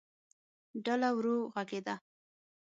ډله ورو غږېده.